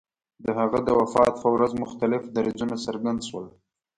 د هغه د وفات په ورځ مختلف دریځونه څرګند شول.